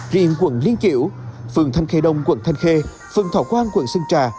riêng quận liên chiểu phường thanh khê đông quận thanh khê phường thảo quang quận sơn trà